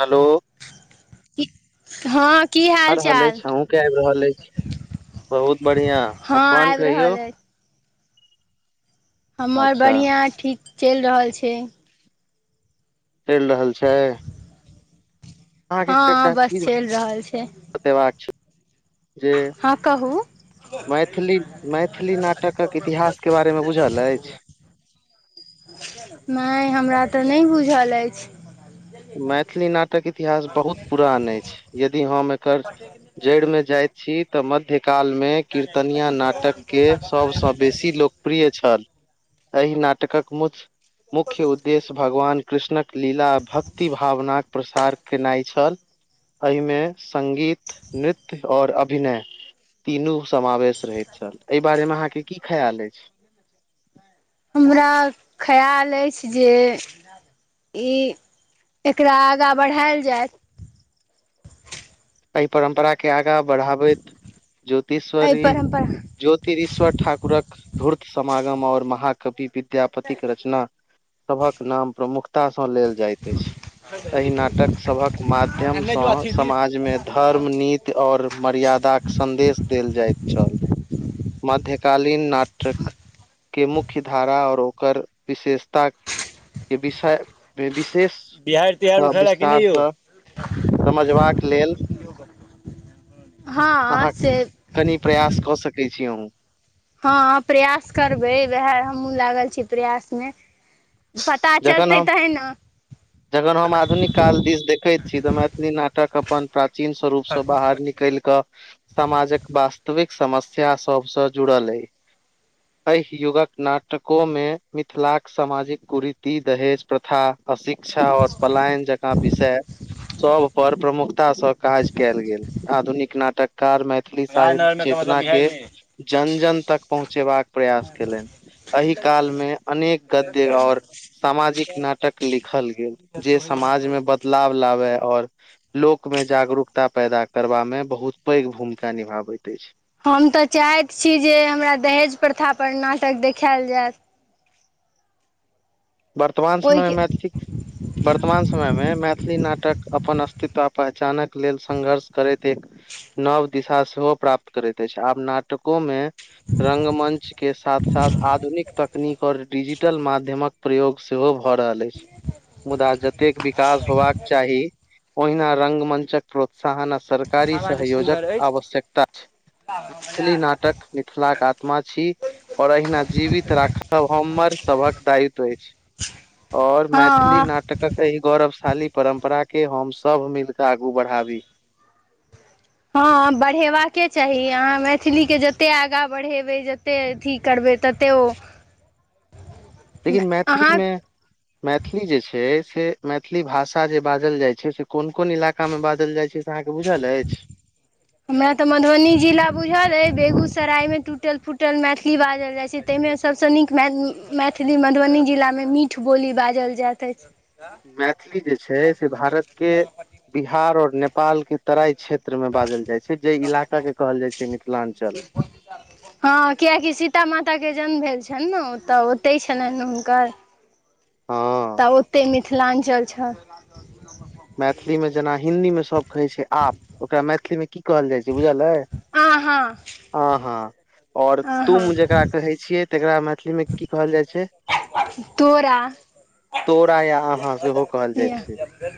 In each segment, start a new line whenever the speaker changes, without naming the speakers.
Hello
कि हँ की
आ
हाल
रहल
चाल
अछि अहुूँके आबि रहल अछि बहुत बढ़िया
हँ
अपन
आबि
कहियौ
रहल अछि हमर
अच्छा
बढ़ियाँ ठीक चलि रहल छै
चलि रहल छै
हाँ बस चलि रहल छै
देबाक छै जे
हाँ कहू
मैथिली मैथिली नाटकक इतिहास के बारे मे बुझल
[unintelligible]
अछि
नहि हमरा तऽ नहि बुझल अछि।
मैथिली नाटक इतिहास बहुत पुरान अछि यदि हम एकर जड़ि मे जाइ छी तऽ मध्यकालमे कीर्तनिया नाटकके सभसँ बेसी लोक प्रिय छल एहि नाटकक मुख्य उद्देश्य भगवान कृष्णक लीला भक्ति भावनाक प्रसार केनाइ छल। एहिमे संगीत नृत्य आओर अभिनय तीनू समावेश रहैत छल एहि बारेमे अहाँके की खयाल अछि
हमरा खयाल अछि जे ई एकरा आगाँ बढ़ायल जाय
एहि परम्परा के आगा बढ़ाबैत
एहि
ज्योतिश्वरी ई
परम्पर
ज्योतिरश्वर ठाकुरक धूर्त समागम और महाकवि विद्यापत के रचना सभक नाम प्रमुखताँ लेल जाइत अछि। एहि नाटक सभक माध्यमसँ समाज मे धर्म नीति और मर्यादाक के सदेश देल जाइत छल। मध्यकालीन नाटक के मुख्य धारा आओर ओकर विशेषता के विषय
बिहारि तिहारि
विशेषसँ
उठल कि नहि यौ
विस्तारसँ समझबाक लेल
हँ
अहाँ
से
कनि प्रयास कऽ सकैत छी अन्हु
हाँ प्रयास करबै उएह हमहुँ लागल छी प्रयास मे। पता
जखन
चलतै
हम
तहे ने।
जखन हम आधुनिक काल दिस देखैत छी तऽ मैथिली नाटक अपन प्राचीन स्वरूपसँ बाहर निकलि कऽ समाजक वास्तविक समस्या सबसँ जुड़ल अइ। एहि युगक नाटको मे मिथिलाक सामाजिक कुरीति ती दहेज प्रथा अशिक्षा आओर पलायन जकाँ विषय सब पर प्रमुखताासँ काज कयल गेल। आधुनिक नाटककार मे मैथिली साहित्य
राजनगरमे मतलब
चेतना के
बिहारमे
जन जन तक पहुँचेबाक प्रयास केलनि। एहि काल मे अनेक गद्य आओर सामाजिक नाटक लिखल गेल जे समाजमे बदलाव लाबे आओर लोकमे जागरूकता पैदा करबा मे बहुत पैघ भूमिका निभाबैत अछि।
हम तऽ चाहैत छी जे हमरा दहेज प्रथा पर नाटक देखायल जायत
वर्तमान समय
ओहिके
मे मैथिली वर्तमान समयमे मैथिली नाटक अपन अस्तित्व पहचानक लेल संघर्ष करैत एक नव दिशा सेहो प्राप्त करैत अछि। आब नाटको मे रंगमंच के साथ साथ आधुनिक तकनीक आओर डिजिटल माध्यमक प्रयोग सेहो भऽ रहल अछि। मुदा जतेक विकास होबाक चाही ओहिना रंगमञचक प्रोत्साहन आ सरकारी
हवा जे
सहयोजक
सुन्दर अछि
आवश्यकता छै मैथिली नाटक मिथिलाक आत्मा छी आओर अहिना जीवित राखब हमर सभक दायित्व अछि। ओर मैथिली
हँ
नाटक नाटक एहि गौरवशाली परम्परा के हम सभ मिलके आगू बढ़ाबी
हाँ बढ़ेबाक चाही अहाँ मैथिलीके जतेक आगाँ बढ़ेबै जेते अथी करबै तते ओ
लेकिन
अहाँ
मैथिलीमे मैथिली जे छैय से मैथिली भाषा जे बाजल जाय छैय से कोन कोन इलाका मे बाजल जाय छैय से अहाँके बुझल अछि।
हमरा तऽ मधुबनी जिला बुझल हय बेगूसराय मे टूटल फूटल मैथिली बाजल जाय छैय। ताहिमे सभसँ नीक मैथिली मधुबनी जिलामे मीठ बोली बाजल जाइत अछि।
मैथिली जे छैय से भारत के बिहार आओर नेपाल के तराई क्षेत्र मे बाजल जाइ छै जे इलाका के कहल जाइ छै मिथिलांचल
हाँ कियाकि सीता माताके जन्म भेल छनि ने ओ तऽ ओतहि छलनि हुनकर
हँ
तऽ ओते मिथिलांचल छ
मैथिली मे जेना हिन्दी मे सब कहै छै आप ओकरा मैथिली मे की कहल जाइ छै बुझल अइ
आहाँ
अहाँ आओर
आहाँ
तूम जेकरा कहे छियै त एकरा मैथिलीमे की कहल जाय छै
तोरा
तोरा या अहाँ सेहो कहल जाइ छै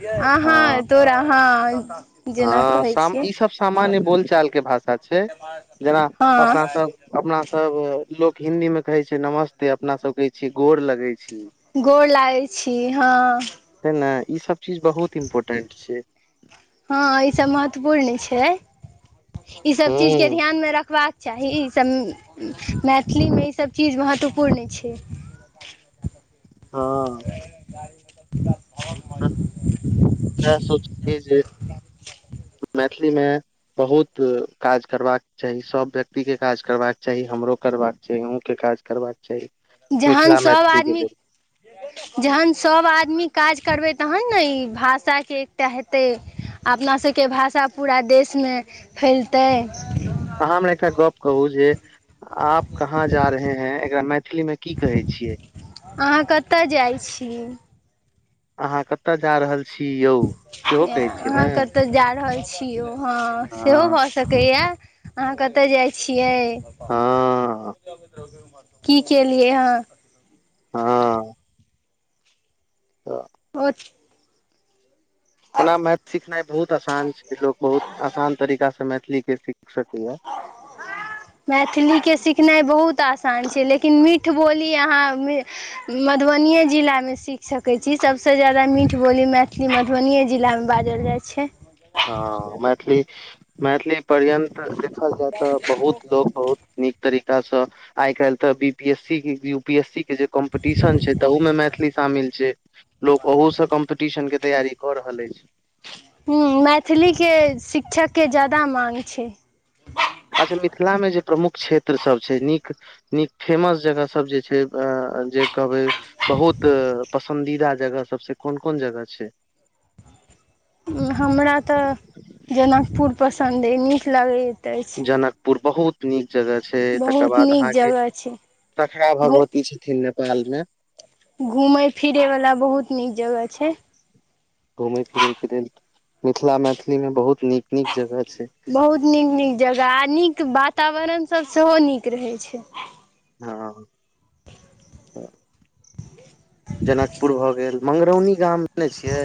अहाँ हाँ तोरा हाँ
हाँ इ सब सामान्य बोलचालके भाषा छैय जेना
हँ
अपनासभ अपना सब लोक हिदी मे कहे छैय नमस्ते अपना सब कहै छियै गोर लगे छी।
गोर लागै छी हाँ
छै ने इ सब चीज बहुत इम्पोर्टेंट छैय।
हाँ इ सब महत्वपूर्ण छैय इ सब चीज के
हूँ
ध्यान मे रखबाक चाही ईसभ मैथिलीमे ईसभ चीज महत्वपूर्ण छै
हाँ
गाड़ी मतलब पुट
हम इएह सोचल जे मैथिलीमे बहुत काज करबाक चाही सभ व्यक्ति काज करबाक चाही हमरो करबाक छै अन्हु के काज करबाक चाही
जहन
मिथिला
सभ
मैथिलीे
आदमी
लेल
जहन सभ आदमी काज करबै तहन ने ई भाषाके एकटा हेतै अपनासभके भाषा पूरा देशमे फैलतै
अहाँ हमरा एकटा गप कहू जे आप कहाँ जा रहे हैं एकरा मैथिलीमे की कहै छियै
अहाँ कतय जाइ छी
अहाँ कतय जा रहल छी यौ सेहो कहै छियै ने
ऐं-अहाँ कतऽ जा रहल छी यौ हाँ सेहो
हँ
भऽ सकैया अहाँ कतय जाइ छियै
हँ
की केलियै हँ
हाँ तऽ
ओ
ओना मैथिल सिखनाइ बहुत आसान छै लोक बहुत आसान तरीका स मैथिलीके सीख सकैया [inaudible]
मैथिलीके सिखनाइ बहुत आसान छै लेकिन मीठ बोली अहाँ मधुबनीए जिलामे सीख सकैत छी सभसँ ज्यादा मीठ बोली मैथिलीमे मनियए जिलामे बाजल जाइ छै
हाँ मैथिली मैथिली पर्यन्त देखल जाय तऽ बहुत लोक बहुत नीक तरीकासँ आइ कालल तऽ बीपीएस सी की यूपीएस सी के जे कम्पटीशन छै तहूमे मैथिली शामिल छै लोक ओहू स कम्पटीशनके तैयारी कऽ रहल अछि
हूँ मैथिलीके शिक्षक के ज्यादा माँग छै
अच्छा मिथिलामे जे प्रमुख क्षेत्रसभ छै नीक नीक फेमस जगह सब जे छै अं जे कहबै बहुत पसन्दीदा जगह सब से कोन कोन जगह छै
हमरा तऽ जनकपुर पसन्द अइ नीक लागै यै
जनकपुर बहुत नीक जगह छै तकर
बहुत
बाद
नीक
अहाँके
जगह छै
सखरा भगवती छै थि नेपालमे
घूमेए फिरे वाला बहुत नीक जगह छै
घूमे फिरे के लेल मिथिला मैथिलीमे बहुत नीक नीक जगह छै
बहुत नीक नीक जगह आ नीक वातावरण सब सेहो नीक रहै छै
हाँ जनकपुर भऽ गेल मंगरौनी गाम जानै छियै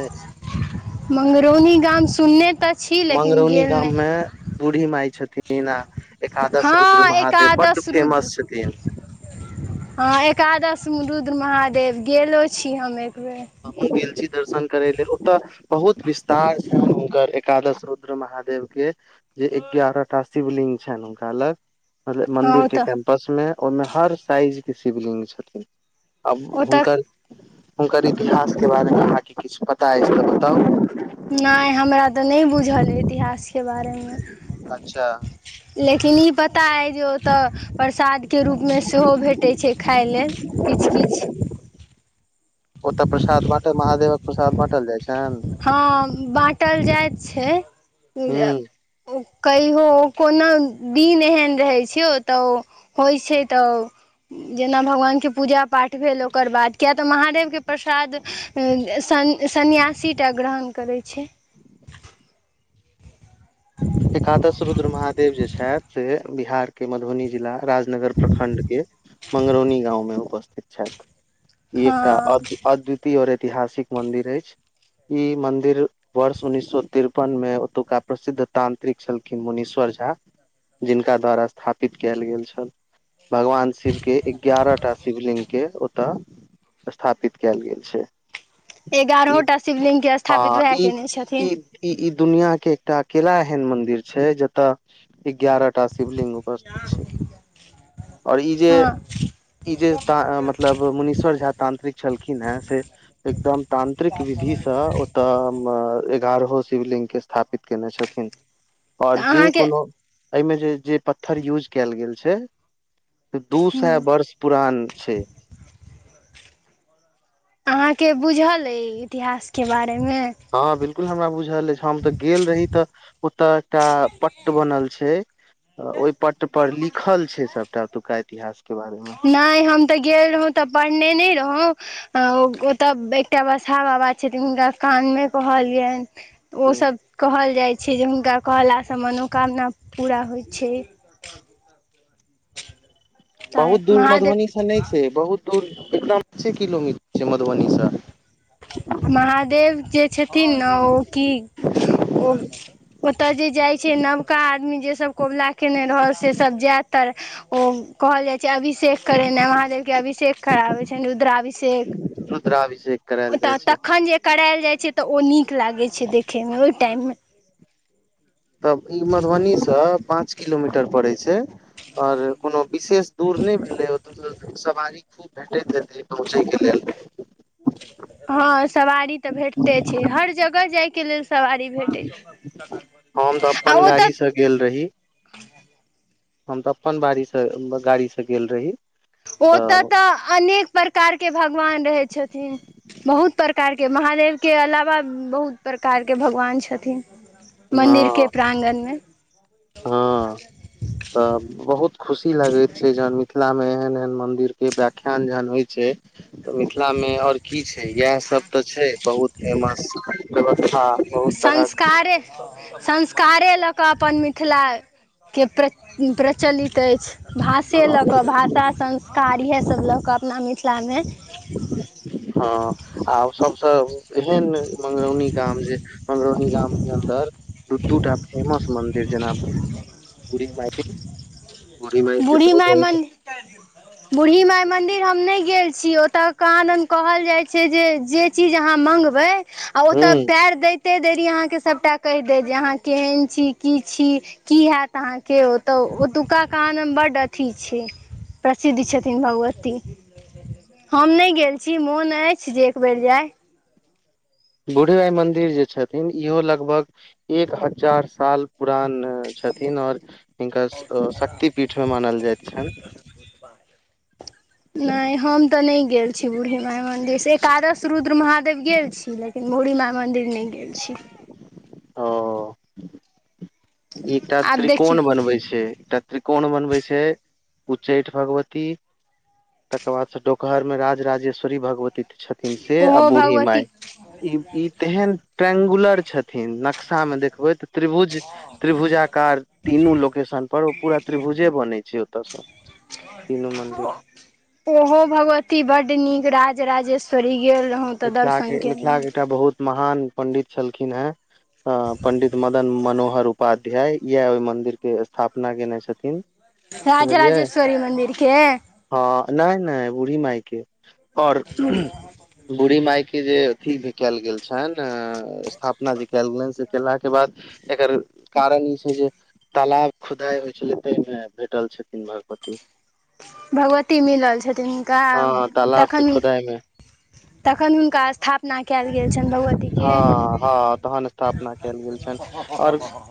मंगरौनी गाम सुन्य तक
मंगरौनी गाममे बूढ़ी माय छथिन आ एकादश रुद्र
हँ
महादेव बड्ड फेमस छथिन
हाँ एकादशमे रुद्र महादेव गेलो छी हम एक बेर
हमूँ गेल छी दर्शन करै ले ओतऽ बहुत विस्तार छनि हुनकर एकादश रुद्र महादेवके जे एगारह टा शिव लिंग छनि हुनका लग मतलब
हँ ओतऽ
मंदिरके पसमे ओहिमे हर साइज के शिवलिंग छथिन आब
ओतऽ
हुनकर एककर इतिहासके बारेमे अहाँके किछु पता अछि तऽ बताउ
नहि हमरा तऽ नहि बुझल अइ इतिहासके बारेमे
अच्छा
लेकिन ई पता अइ जो तऽ प्रसादके रूपमे सेहो भेटैत छै खााय लेल किछ किछ
ओतऽ प्रसाद बाँटल महादेवक प्रसाद बाँटल जाइ छैन
हाँ बाँटल जाइत छै
हूँ
ओ कहियो कोनो दिन एहन रहै छै ओतह ओ होइत छै तऽ जेना भगवानके पूजा पाठ भेल ओकर बाद किया तऽ महादेवके प्रसाद सन्यासीटा ग्रहण करै छै
एकादश रुद्र महादेव जे छथि से बिहार के मधुबनी जिला राजनगर प्रखंडके मंगरौनी गाँवमे उपस्थित छथि ई
हँ
एकटा अद्वितय आओर ऐतिहासिक मन्दिर अछि ई मंदिर वर्ष उन्ननीस सए तिरपनमे ओतुका प्रसिद्ध तानंत्रिक छलखिन मुनीश्वर झा जिनका द्वारा स्थापित केयल गेल छल भगवान शिव के एगारह टा शिव लिंगके ओतऽ स्थापित केयल गेल छै ई
एगारहोंटा शिवलिंग के स्थापित वएह केने छथिन
इ-इ दुनिया के एकटा अकेला एहेन मंदिर छै जताे ए गगारह टा शिव लिंग स्वस्थ्य छै आओर ई जे
हँ
ई जे मतलब मुनीश्वर झ तानंत्रिक छलखिन हेँ से एकदम तानंत्रिक विधि स ओतय एगारहों शिवलिंग के स्थापित केने छथिन
तऽ
आओर जे
अहाँके
कोनो एहिमे जे जे पत्थर यूज कयल गेल छै से दू सए
हूँ
वर्ष पुरान छै
अहाँके बुझल अइ इतिहासके बारेमे
हाँ बिल्कुल हमरा बुझल अछि हम तऽ गेल रही तऽ ओतय एकटा पट्ट बनल छै ओहि पट पर लिखल छै सबटा ओतुका इतिहास के बारेमे
नहि हम त गेल रहौं त पढ़ने नय रहौ अ ओतअ एकटा बसा बाबा छथिन हुनका कानमे कहलियेन ओ सब कहल जाइ छै जे हुनका कहला से मनोकामना पूरा होइ छै तैँ
बहुत दूर
महादेव
मधुबनी से नहि छै बहुत दूर एकदम पांचें किलोमीटर छै मधुबनी स
महादेव जे छथिन ने ओ की ओ ओतअ जे जाइ छै नबका आदमी जे सब कबुला केने रहल से सब जे तर ओ कहल जाय छै अभिषेक करेनाय वहाँ जा के अभिषेक कराबे छै रुद्राभिषेक
रुद्राभिषेक करायल
ओतअ
जाइ छै
तखन जे करैल जाइ छै त ओ नीक लागै छै देखैय मे ओय टाइम मे
तब ई मधुबनीसँ पाँच किलोमीटर पड़ैत छै आओर कोनो। विशेष दूर नहि भेलै ओतय सँ सवारी खूब भेटैत जेतै पहुँचै के लेल।
हँ सवारी त भेटते छै हर जगह जाय के लेल सवारी भेटै
हम तऽ
छै आ
अपन
ओ त
गाड़ी से गेल रही हम त अपन बाड़ी से गाड़ी से गेल रही। तऽ
ओतत अनेक प्रकार के भगवान रहैय छथिन बहुत प्रकार के महादेव के अलावा बहुत प्रकार के भगवान छथिन मन्दिर के
हँ
प्रांगण मे
हँ तब बहुत खुशी लगैत छै जहन मिथिला मे एहन एहन मन्दिर के व्याख्यान जहन होइ छै त मिथिलामे आओर की छै इएह सभ त छै बहुत फेमस बहुत
संस्कारे। संस्कारे ल क अपन मिथिला के प्रचलित अछि। भाषे ल
तरहक
क भाषा संस्कार इएहसभ ल क अपना मिथिलामे।
हँ आओर सभ सब एहन मंगरौनी गाम जे मंगरौनी गाम के अन्दर। दू दूटा फेमस मन्दिर जेना बूढ़ी माय बूढ़ी माय के।
बुढ़ी माय मन बूढ़ी माय मंदिर हम नय गेल छीये ओतअ कहाँ दन कहल जाइ छै जे जे। जे चीज अहाँ मंगबय आ ओतअ
हूँ
पैर दैतये देरी अहाँके। सभटा कहि दे जे अहाँ केहन छी की छी की हैत अहाँके ओतअ ओतुका। कहाँ दन बड्ड अथी छै प्रसिद्ध छथिन भगवती। हम नय गेल छी मोन अछि जे एक बेर जाय।
बुढ़ी माई मन्दिर जे छथि। छथिन इहो लगभग एक हजार साल पुरान छथिन आओर। हिनका सब क शक्ति पीठ मे मानल जाइत छनि।
नय हम त नय गेल छी बूढ़ी माई मन्दिर से एकादश। रुद्र महादेव गेल छी लेकिन बुढी माय मन्दिर नय गेल छी।
[unintelligible] एकटा
आब देखियौ
त्रिकोण बनवे छै एकटा त्रिकोण बनवे छै उच्चैठ भगवती। तकर बाद से चटोकार मे राजराजेश्वरी भगवती छथिन से आ
ओहो
बूढ़ी
भगवती
माय। ई ई तेहन ट्रेंगुलर छथिन नक्शा मे देखबै त। त्रिभुज त्रिभुजाकर तीनू लोकेशन पर ओ पूरा त्रिभुजे बनै छै ओतय सँ। तीनू मंदिर
ओहो भगवती बड्ड नीक राजराजेश्वरी गेल रहौ।
मिथिला के मिथिला के। एकटा बहुत महान पंडित छलखिन हेँ पंडित मदन मनोहर। उपाध्याय इएह ओहि मंदिर के स्थापना केने छथिन।
राजराजेश्वरी मन्दिरके।
हाँ नहि नहि बूढ़ी मायके आओर। बूढ़ी मायके जे अथी भी केयल गेल छनि स्थापना जे केयल गेलनि से कयेलाक के बाद। एकर कारण ई छै जे। तालाब खुदाइ होइ छलै ताहिमे भेटल छथिन भगवती।
भगवती मिलल छथिन हुनका
हँ तालाब के
तखन।
खोदाइ मे
तखन हुनका स्थापना कयल गेल छनि भगवती।
हाँ हाँ तहन स्थापना केयल गेल छनि आओर।